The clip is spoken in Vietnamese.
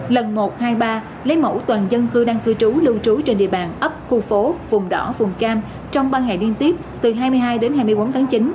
lần một hai mươi ba lấy mẫu toàn dân cư đang cư trú lưu trú trên địa bàn ấp khu phố vùng đỏ vùng cam trong ba ngày liên tiếp từ hai mươi hai đến hai mươi bốn tháng chín